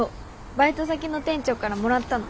バイト先の店長からもらったの。